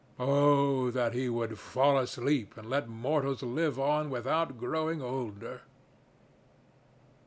Oh that he would fall asleep and let mortals live on without growing older!